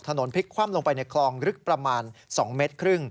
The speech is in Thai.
พลิกคว่ำลงไปในคลองลึกประมาณ๒เมตรครึ่ง